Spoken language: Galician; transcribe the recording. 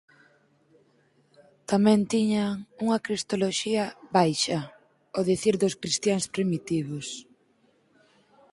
Tamén tiñan unha cristoloxía “baixa”, ó dicir dos cristiáns primitivos.